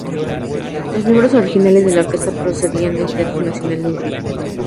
Los miembros originales de la orquesta procedían del Teatro Nacional de Hungría.